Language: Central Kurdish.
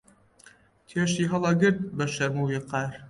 چێشتی هەڵئەگرت بە شەرم و ویقار